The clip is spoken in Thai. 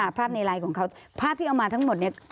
ภาพในไลน์ของเขาภาพที่เอามาทั้งหมดเนี่ย